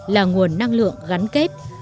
là nguồn năng lượng gắn kết